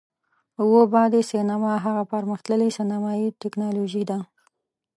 اووه بعدی سینما هغه پر مختللې سینمایي ټیکنالوژي ده،